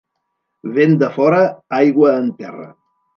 Vent de fora, aigua en terra.